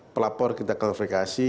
pelapor kita klarifikasi